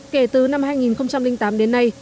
kể từ năm hai nghìn tám đến nay